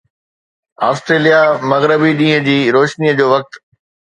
Australia مغربي ڏينهن جي روشني جو وقت